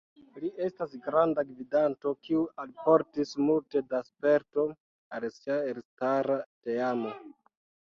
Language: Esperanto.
Li estas granda gvidanto kiu alportis multe da sperto al sia elstara teamo.